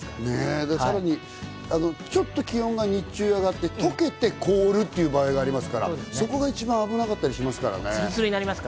ちょっと気温が日中上がって、とけて凍るっていう場合がありますから、そこが一番危なかったりしますからね。